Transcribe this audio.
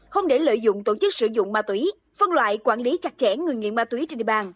không để lợi dụng tổ chức sử dụng ma túy phân loại quản lý chặt chẽ người nghiện ma túy trên địa bàn